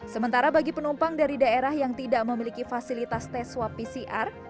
sementara bagi penumpang dari daerah yang tidak memiliki fasilitas tes swab pcr